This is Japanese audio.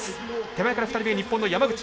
手前から２人目、日本の山口。